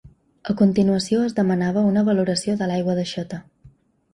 A continuació es demanava una valoració de l’aigua d’aixeta.